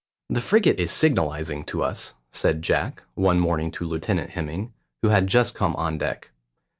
"The frigate is signalising to us," said Jack one morning to Lieutenant Hemming, who had just come on deck.